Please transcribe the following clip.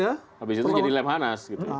habis itu jadi lemhanas